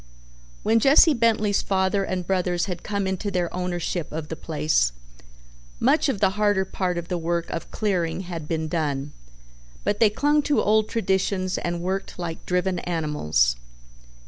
When Jesse Bentley's father and brothers had come into their ownership of the place, much of the harder part of the work of clearing had been done, but they clung to old traditions and worked like driven animals.